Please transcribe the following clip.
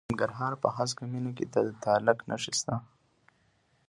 د ننګرهار په هسکه مینه کې د تالک نښې شته.